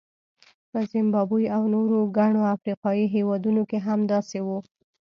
په زیمبابوې او نورو ګڼو افریقایي هېوادونو کې هم داسې وو.